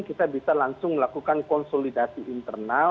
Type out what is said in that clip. kita bisa langsung melakukan konsolidasi internal